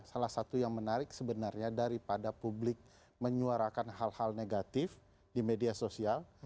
salah satu yang menarik sebenarnya daripada publik menyuarakan hal hal negatif di media sosial